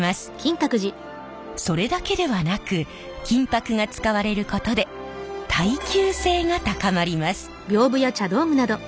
それだけではなく金箔が使われることで耐久性が高まります。